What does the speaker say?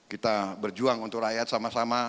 kita berjuang untuk rakyat sama sama